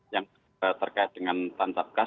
yang terkait dengan tancap gas